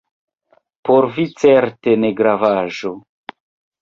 Por vi certe negravaĵo!